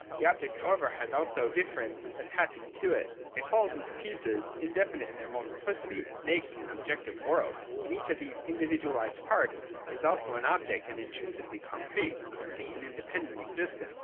The object, however, has also difference attaching to it : it falls into pieces, in definite in their multiplicity (making an objective world) ; and each of these individualised parts is also an object, an intrinsically concrete, complete, and independent existence.